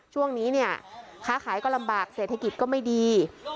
ช่วงนี้เนี่ยค้าขายก็ลำบากเศรษฐกิจก็ไม่ดี